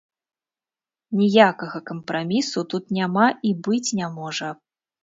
Ніякага кампрамісу тут няма і быць не можа.